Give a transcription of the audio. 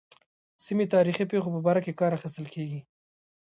سیمې تاریخي پېښو په باره کې کار اخیستل کېږي.